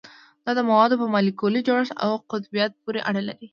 دا د موادو په مالیکولي جوړښت او قطبیت پورې اړه لري